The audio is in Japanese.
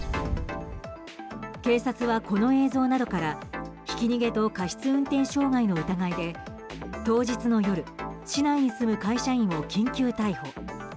警察は、この映像などからひき逃げと過失運転傷害の疑いで当日の夜市内に住む会社員を緊急逮捕。